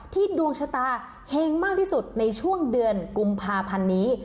ดวงชะตาเห็งมากที่สุดในช่วงเดือนกุมภาพันธ์นี้